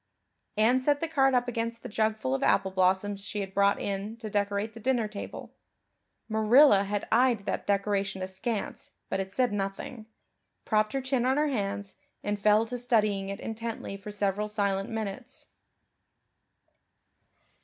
Anne set the card up against the jugful of apple blossoms she had brought in to decorate the dinner table Marilla had eyed that decoration askance, but had said nothing propped her chin on her hands, and fell to studying it intently for several silent minutes.